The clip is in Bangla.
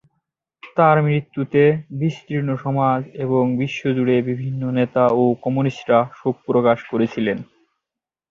তার মৃত্যুতে বিস্তীর্ণ সমাজ এবং বিশ্বজুড়ে বিভিন্ন নেতা ও কমিউনিস্টরা শোক প্রকাশ করেছিলেন।